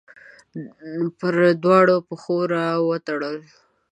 پر دواړو پښو راوتړل